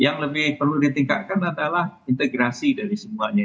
yang lebih perlu ditingkatkan adalah integrasi dari semuanya